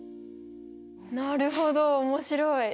なるほど面白い。